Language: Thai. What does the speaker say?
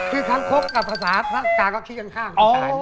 คือคางคกกับภาษาภาษาก็ขี้ข้าง